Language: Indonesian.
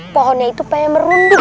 pohonnya itu pengen merunduk